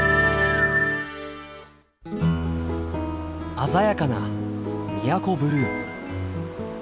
鮮やかな宮古ブルー。